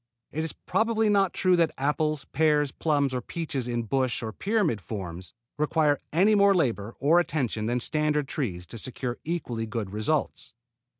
It is probably not true that apples, pears, plums or peaches in bush or pyramid forms require any more labor or attention than standard trees to secure equally good results.